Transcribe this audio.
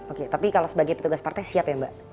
oke tapi kalau sebagai petugas partai siap ya mbak